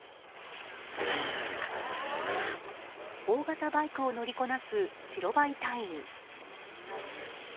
大型バイクを乗りこなす白バイ隊員。